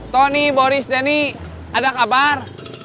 tony boris dani ada kabar